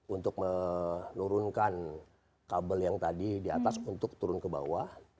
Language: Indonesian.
untuk menurunkan kabel yang tadi di atas untuk turun ke bawah